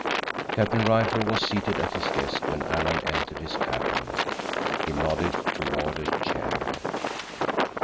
Captain Rifle was seated at his desk when Alan entered his cabin. He nodded toward a chair.